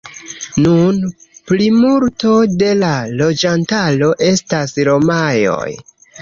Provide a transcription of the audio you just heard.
Nun plimulto de la loĝantaro estas romaoj.